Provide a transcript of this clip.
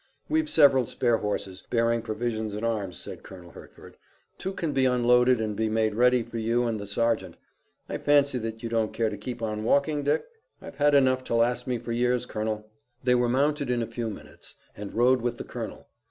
"We've several spare horses, bearing provisions and arms," said Colonel Hertford. "Two can be unloaded and be made ready for you and the sergeant. I fancy that you don't care to keep on walking, Dick?" "I've had enough to last me for years, Colonel." They were mounted in a few minutes, and rode with the colonel.